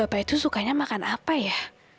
bapak itu sukanya makan apa ya